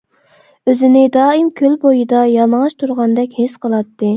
ئۆزىنى دائىم كۆل بويىدا يالىڭاچ تۇرغاندەك ھېس قىلاتتى.